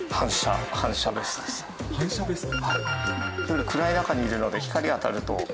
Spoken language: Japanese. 夜暗い中にいるので光当たるとここが。